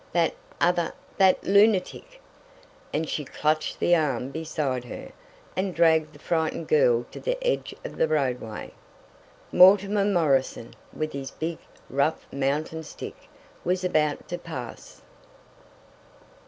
That other that lunatic!" and she clutched the arm beside her, and dragged the frightened girl to the edge of the roadway. Mortimer Morrison, with his big, rough, mountain stick, was about to pass!